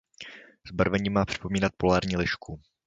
Zbarvením má připomínat polární lišku.